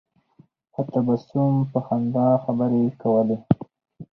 په تبسم په خندا خبرې کولې.